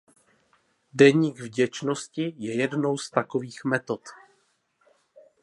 Deník vděčnosti je jednou z takových metod.